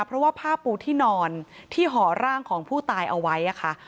เพราะว่าผ้าปูที่นอนที่ห่อร่างของผู้ตายเอาไว้ค่ะ